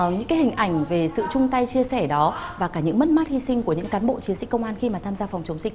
những cái hình ảnh về sự chung tay chia sẻ đó và cả những mất mát hy sinh của những cán bộ chiến sĩ công an khi mà tham gia phòng chống dịch